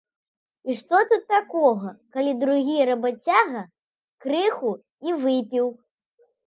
І што тут такога, калі другі рабацяга крыху і выпіў?